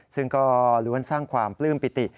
ซึ่งก็ล้วนสร้างความปลื้มปิติ